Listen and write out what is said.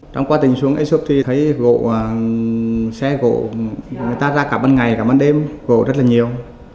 trong quá trình xuống ea xúc thì thấy xe gỗ người ta ra cả ban ngày cả ban đêm gỗ rất là nhiều